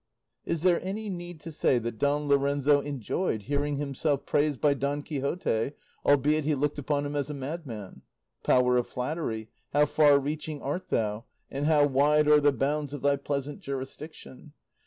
Is there any need to say that Don Lorenzo enjoyed hearing himself praised by Don Quixote, albeit he looked upon him as a madman? power of flattery, how far reaching art thou, and how wide are the bounds of thy pleasant jurisdiction!